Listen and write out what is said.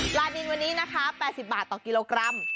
นินวันนี้นะคะ๘๐บาทต่อกิโลกรัม